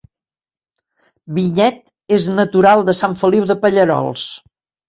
Vinyet és natural de Sant Feliu de Pallerols